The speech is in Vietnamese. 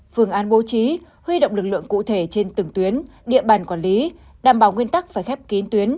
phương án bố trí huy động lực lượng cụ thể trên từng tuyến địa bàn quản lý đảm bảo nguyên tắc phải khép kín tuyến